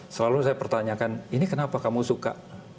selalu saya pertanyakan ini kenapa kamu suka